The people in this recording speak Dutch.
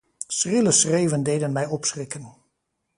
Schrille schreeuwen deden mij opschrikken.